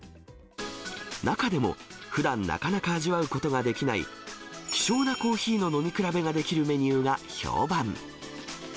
中でも、ふだんなかなか味わうことができない希少なコーヒーの飲み比べができるメニューが評判。